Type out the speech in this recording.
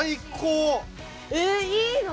ええいいの？